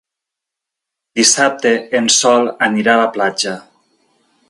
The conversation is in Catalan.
Dissabte en Sol anirà a la platja.